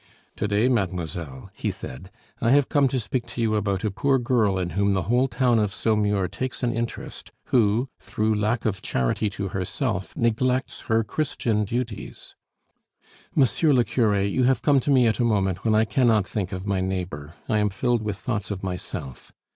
"To day, mademoiselle," he said, "I have come to speak to you about a poor girl in whom the whole town of Saumur takes an interest, who, through lack of charity to herself, neglects her Christian duties." "Monsieur le cure, you have come to me at a moment when I cannot think of my neighbor, I am filled with thoughts of myself.